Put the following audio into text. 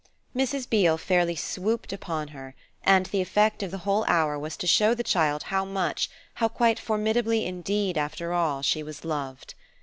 XIV Mrs Beale fairly swooped upon her and the effect of the whole hour was to show the child how much, how quite formidably indeed, after all, she was loved.